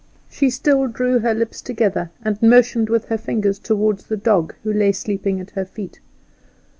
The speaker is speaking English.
She still drew her lips together, and motioned with her fingers toward the dog who lay sleeping at her feet.